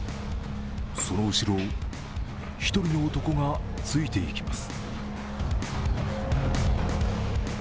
その後ろを１人の男がついて行きます。